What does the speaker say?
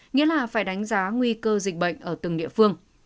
nghĩa là phải đánh giá nguy cơ dịch bệnh ở từng địa phương